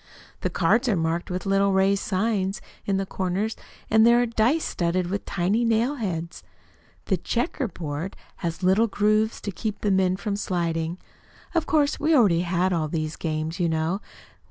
The cards are marked with little raised signs in the corners, and there are dice studded with tiny nailheads. The checker board has little grooves to keep the men from sliding. Of course, we already had all these games, you know.